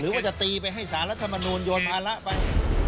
หรือว่าจะตีไปให้สารัฐมนูญโยนมาละไป